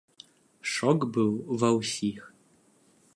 Шок быў ва ўсіх.